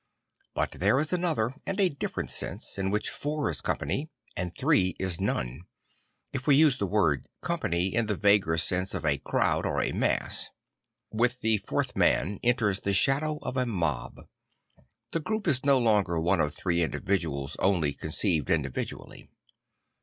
But there is yet another and a different sense in which four is company and three is none; if we use the word com pan y in the vaguer sense of a crowd or a mass. \Vith the fourth man enters the shadow of a mob; the group is no longer one of three individuals only conceived individually.